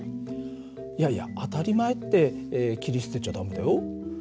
いやいや当たり前って切り捨てちゃ駄目だよ。